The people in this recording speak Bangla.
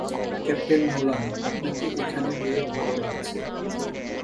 ক্যাপ্টেন নোলান, আপনাকে এখানে পেয়ে ভালো লাগছে।